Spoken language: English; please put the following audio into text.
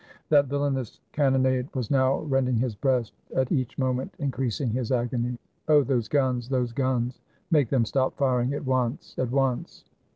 That villainous can 395 FRANCE nonade was now rending his breast, at each moment increasing his agony. "Oh! those guns, those guns! Make them stop firing at once — at once."